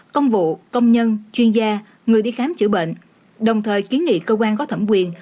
công vụ công nhân chuyên gia người đi khám chữa bệnh đồng thời kiến nghị cơ quan có thẩm quyền